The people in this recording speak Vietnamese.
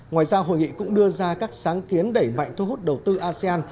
ngoài ra hội nghị cũng đưa ra các sáng kiến đẩy mạnh thu hút đầu tư asean